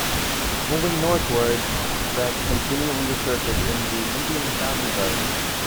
Moving northward, tracks continue on the surface, in the median of Allen Road.